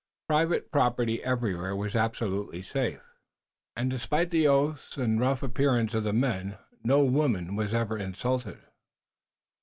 Private property everywhere was absolutely safe, and, despite the oaths and rough appearance of the men, no woman was ever insulted.